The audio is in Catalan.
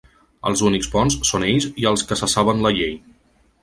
Els únics bons són ells i els que se saben la llei.